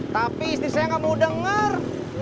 tapi istri saya nggak mau dengar